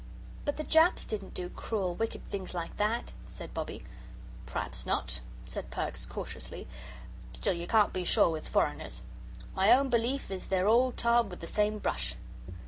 "But the Japs didn't do cruel, wicked things like that," said Bobbie. "P'r'aps not," said Perks, cautiously; "still you can't be sure with foreigners. My own belief is they're all tarred with the same brush."